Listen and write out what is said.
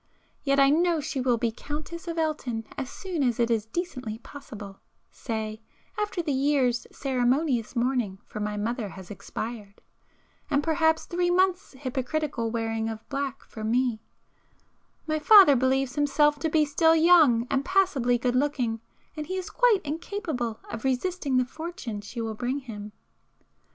Yet I know she will be Countess of Elton as soon as it is decently possible,—say, after the year's ceremonious mourning for my mother has expired, and perhaps three months' hypocritical wearing of black for me,—my father believes himself to be still young and passably good looking, and he is quite incapable of resisting the fortune she will bring him.